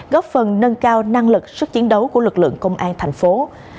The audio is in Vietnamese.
góp phần nâng cao năng lực sức chiến đấu của lực lượng công an tp hcm